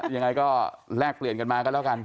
ยังไงก็แลกเปลี่ยนกันมาก็แล้วกัน